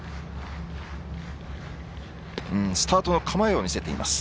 スタートの構えを見せています。